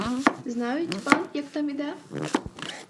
Знають пан, як там іде?